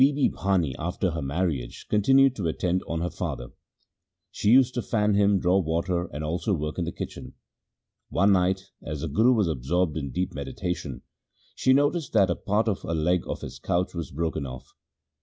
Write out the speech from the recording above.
Bibi Bhani after her marriage continued to attend 144 THE SIKH RELIGION on her father. She used to fan him, draw water, and also work in the kitchen. One night, as the Guru was absorbed in deep meditation, she noticed that a part of one leg of his couch was broken off.